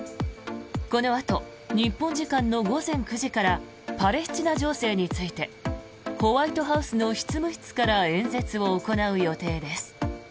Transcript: このあと日本時間の午前９時からパレスチナ情勢についてホワイトハウスの執務室から演説を行う予定です。